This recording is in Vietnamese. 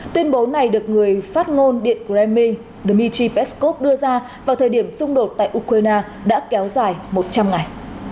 tuyên bố này được người phát ngôn điện kremmi dmitry peskov đưa ra vào thời điểm xung đột tại ukraine đã kéo dài một trăm linh ngày